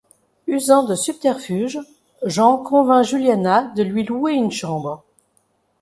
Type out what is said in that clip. Usant de subterfuges, Jean convainc Juliana de lui louer une chambre.